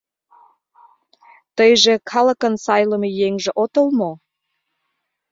Тыйже калыкын сайлыме еҥже отыл мо?